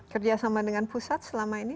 kerjasama dengan pusat selama ini